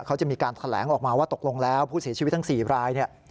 เขาจะมีการแถลงออกมาว่าตกลงแล้วผู้เสียชีวิตทั้ง๔รายเนี่ย